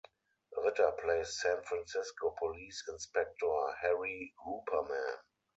Ritter plays San Francisco police Inspector Harry Hooperman.